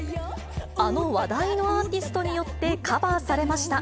あの話題のアーティストによってカバーされました。